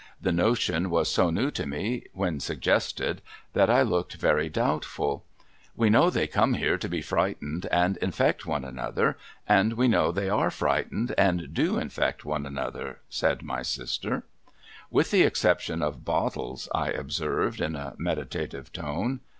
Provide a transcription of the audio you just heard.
The notion was so new to me when suggested, that I looked very doubtful. 'We know they come here to be frightened and infect one A NEW PLAN PROPOSED 209 another, and we know they are frightened and do infect one another,' said my sister. ' With the exception of Bottles,' I observed, in a meditative tone.